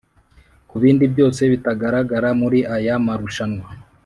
Ku bindi byose bitagaragara muri aya marushanwa